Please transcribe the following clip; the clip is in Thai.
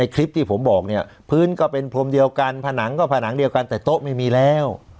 คลิปที่ผมบอกเนี่ยพื้นก็เป็นพรมเดียวกันผนังก็ผนังเดียวกันแต่โต๊ะไม่มีแล้ว